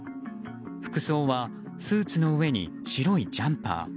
服装はスーツの上に白いジャンパー。